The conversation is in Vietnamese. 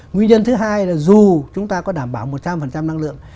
nguyên nhân thứ hai là dù chúng ta có đảm bảo một trăm linh năng lượng